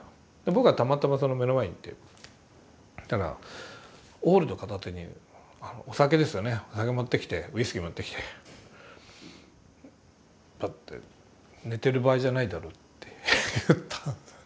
僕がたまたまその目の前にいてそしたらオールド片手にお酒ですよねお酒持ってきてウイスキー持ってきてパッて「寝てる場合じゃないだろ」って言ったんです。